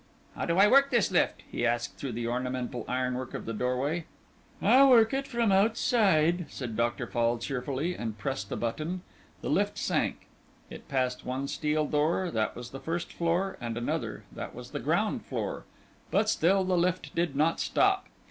"How do I work this lift?" he asked through the ornamental ironwork of the doorway. "I work it from outside," said Dr. Fall, cheerfully, and pressed a button. The lift sank. It passed one steel door that was the first floor; and another that was the ground floor, but still the lift did not stop.